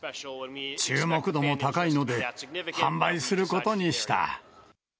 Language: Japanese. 注目度も高いので、販売することにした。